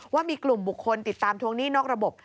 ว่ามีกลุ่มบุคคลติดตามทวงหนี้นอกระบบ